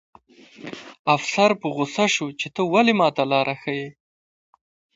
افسر په غوسه شو چې ته ولې ماته لاره ښیې